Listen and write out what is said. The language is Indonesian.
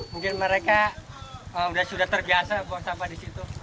mungkin mereka sudah terbiasa buang sampah disitu